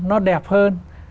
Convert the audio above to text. nó đẹp hơn